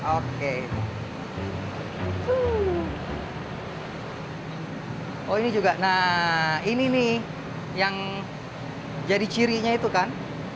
oke itu oh ini juga nah ini nih yang jadi cirinya itu kan